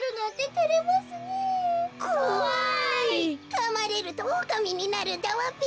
かまれるとおおかみになるんだわべ。